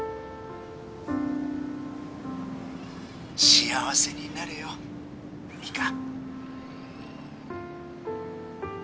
幸せになれよミカ。